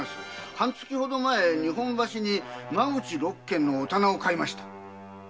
半月ほど前日本橋に間口六間のお店を買いました。